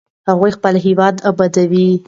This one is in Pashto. هغوی خپل هېواد ابادوي.